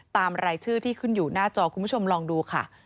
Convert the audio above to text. รายชื่อที่ขึ้นอยู่หน้าจอคุณผู้ชมลองดูค่ะ